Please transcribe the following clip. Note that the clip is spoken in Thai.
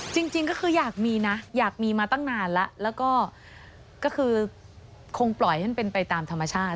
จริงก็คืออยากมีนะอยากมีมาตั้งนานแล้วแล้วก็คือคงปล่อยให้มันเป็นไปตามธรรมชาติ